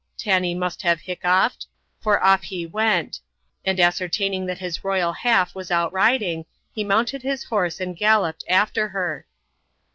— Tanee must have hiccoughed; for off he went; and ascertaining that his royal half was out riding, he mounted his horse, and galloped after her.